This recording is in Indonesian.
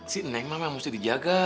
si neng memang mesti dijaga